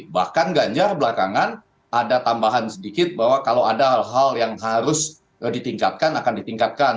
bahkan ganjar belakangan ada tambahan sedikit bahwa kalau ada hal hal yang harus ditingkatkan akan ditingkatkan